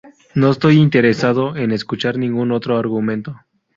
No estoy interesado en escuchar ningún otro argumento